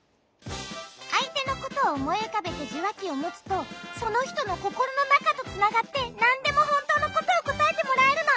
あいてのことをおもいうかべてじゅわきをもつとそのひとのココロのなかとつながってなんでもほんとうのことをこたえてもらえるの！